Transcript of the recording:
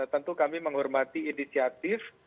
tentu kami menghormati inisiatif